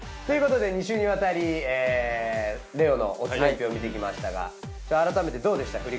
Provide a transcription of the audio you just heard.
ということで２週にわたり玲於の乙年表見てきましたが改めてどうでした？